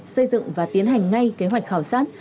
xây dựng và tiến hành ngay kế hoạch khảo sát